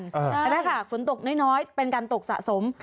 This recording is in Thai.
ก็ได้ค่ะฝนตกน้อยเป็นการตกสะสม